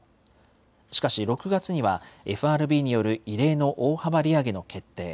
しかし６月には、ＦＲＢによる異例の大幅利上げの決定。